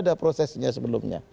ini adalah prosesnya sebelumnya